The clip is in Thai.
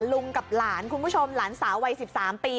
ลุงกับหลานคุณผู้ชมหลานสาววัย๑๓ปี